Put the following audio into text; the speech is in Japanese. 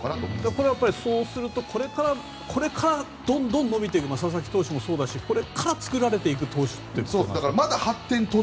そうするとこれからどんどん伸びていく佐々木投手もそうだしこれから作られていく投手ということですか。